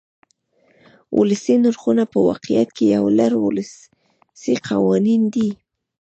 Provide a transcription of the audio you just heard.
ولسي نرخونه په واقعیت کې یو لړ ولسي قوانین دي.